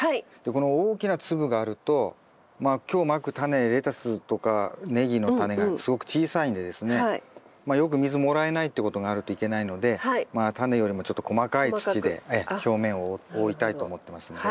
この大きな粒があるとまあ今日まくタネレタスとかネギのタネがすごく小さいんでですねよく水もらえないっていうことがあるといけないのでタネよりもちょっと細かい土で表面を覆いたいと思ってますんで。